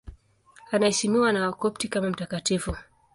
Anaheshimiwa na Wakopti kama mtakatifu.